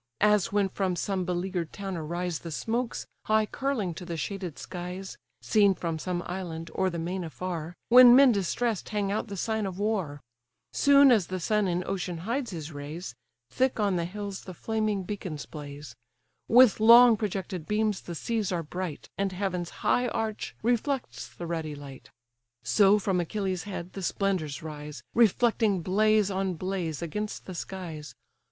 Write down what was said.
As when from some beleaguer'd town arise The smokes, high curling to the shaded skies; (Seen from some island, o'er the main afar, When men distress'd hang out the sign of war;) Soon as the sun in ocean hides his rays, Thick on the hills the flaming beacons blaze; With long projected beams the seas are bright, And heaven's high arch reflects the ruddy light: So from Achilles' head the splendours rise, Reflecting blaze on blaze against the skies.